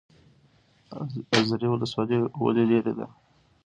ازرې ولسوالۍ ولې لیرې ده؟